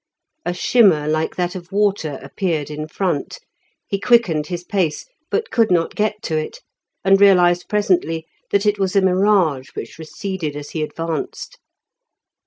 A shimmer like that of water appeared in front; he quickened his pace, but could not get to it, and realized presently that it was a mirage which receded as he advanced.